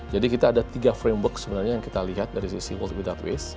jadi kita ada tiga framework sebenarnya yang kita lihat dari sisi world without waste